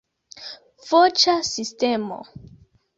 Voĉa sistemo.